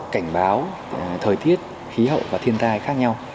cảnh báo thời tiết khí hậu và thiên tai khác nhau